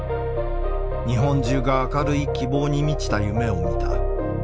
日本中が明るい希望に満ちた夢を見た。